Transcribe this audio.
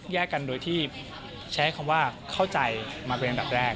แยกกันโดยที่ใช้คำว่าเข้าใจมาเป็นอันดับแรก